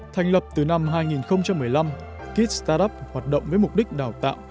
thành lập từ năm hai nghìn một mươi năm kit start up hoạt động với mục đích đào tạo